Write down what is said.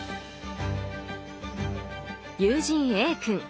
友人Ａ君。